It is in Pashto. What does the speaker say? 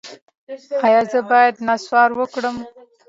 ایا زه باید نسوار وکړم؟